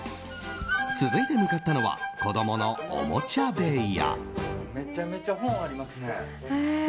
続いて向かったのは子供のおもちゃ部屋。